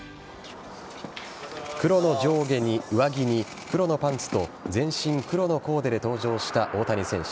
黒の上着に黒のパンツと全身黒のコーデで登場した大谷選手。